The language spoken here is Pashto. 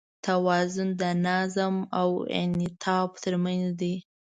توازن د نظم او انعطاف تر منځ دی.